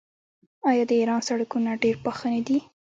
آیا د ایران سړکونه ډیر پاخه نه دي؟